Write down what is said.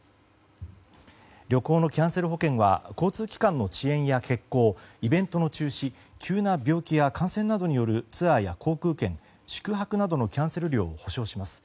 旅行のキャンセル保険は交通機関の遅延や欠航イベントの中止急な病気や感染などによるツアーや航空券宿泊などのキャンセル料も補償します。